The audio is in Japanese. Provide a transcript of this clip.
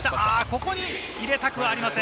ここに入れたくはありません。